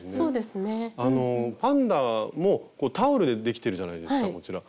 パンダもタオルでできてるじゃないですかこちら。